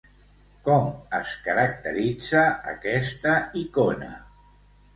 Com es caracteritza aquesta icona?